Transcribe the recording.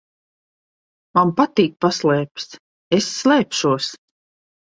Man patīk paslēpes. Es slēpšos.